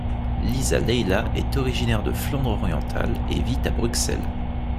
Liza Leyla est originaire de Flandre orientale et vit à Bruxelles.